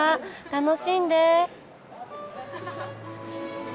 楽しんで。